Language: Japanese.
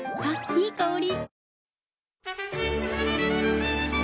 いい香り。